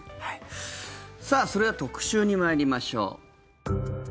それでは特集に参りましょう。